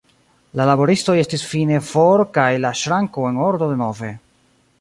La laboristoj estis fine for kaj la ŝranko en ordo denove.